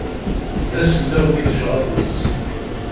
D asellaw di lecɣal-is.